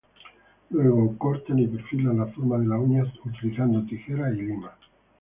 Luego, cortan y perfilan la forma de las uñas utilizando tijeras y limas.